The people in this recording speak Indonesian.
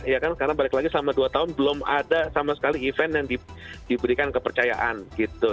ya kan karena balik lagi selama dua tahun belum ada sama sekali event yang diberikan kepercayaan gitu